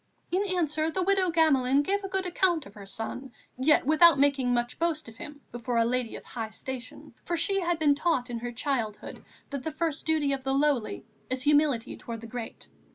In answer, the widow Gamelin gave a good account of her son, yet without making much boast of him before a lady of high station, for she had been taught in her childhood that the first duty of the lowly is humility towards the great.